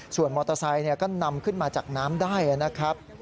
ส่วนมอเตอร์ไซค์ก็นำขึ้นมาจากน้ำได้นะครับ